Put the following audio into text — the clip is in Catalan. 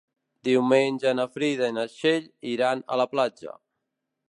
Diumenge na Frida i na Txell iran a la platja.